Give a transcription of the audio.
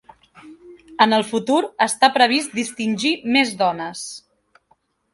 En el futur està previst distingir més dones.